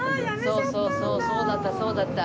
そうそうそうだったそうだった。